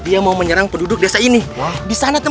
jangan bunuh anakku